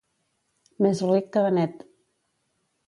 Més ric que Benet.